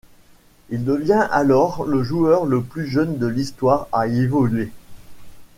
Il devient alors le joueur le plus jeune de l'histoire à y évoluer.